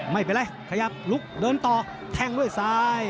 ไม่เป็นไรขยับลุกเดินต่อแทงด้วยซ้าย